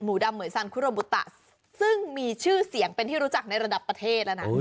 ดำเหมือนซันคุโรบุตะซึ่งมีชื่อเสียงเป็นที่รู้จักในระดับประเทศแล้วนะ